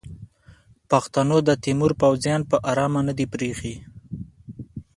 پښتنو د تیمور پوځیان پر ارامه نه دي پریښي.